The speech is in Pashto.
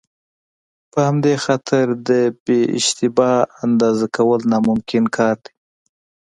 په همدې خاطر د بې اشتباه اندازه کول ناممکن کار دی.